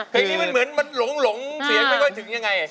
เพลงนี้มันเหมือนมันหลงเสียงไม่ค่อยถึงยังไง